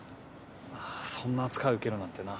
そんな扱い受けるなんてな。